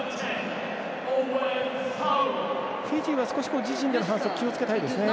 フィジーは、少し自陣での反則気をつけたいですね。